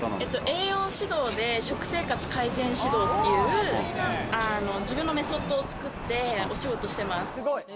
栄養指導で食生活改善指導っていう自分のメソッドを作ってお仕事してます。